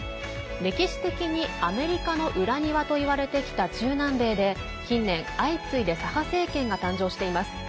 歴史的にアメリカの裏庭といわれてきた中南米で近年、相次いで左派政権が誕生しています。